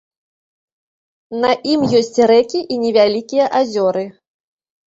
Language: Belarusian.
На ім ёсць рэкі і невялікія азёры.